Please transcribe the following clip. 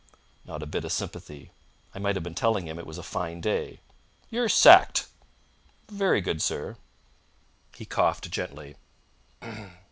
Not a bit of sympathy! I might have been telling him it was a fine day. "You're sacked!" "Very good, sir." He coughed gently.